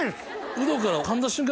ウドからかんだ瞬間